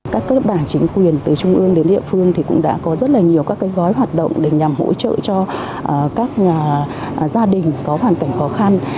các bảng chính quyền từ trung ương đến địa phương cũng đã có rất nhiều gói hoạt động để nhằm hỗ trợ cho các gia đình có hoàn cảnh khó khăn